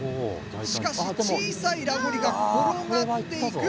しかし小さいラゴリが転がっていく。